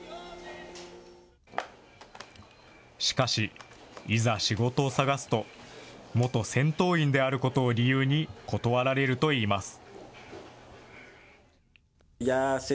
しかし、いざ仕事を探すと、元戦闘員であることを理由に断られるといいます。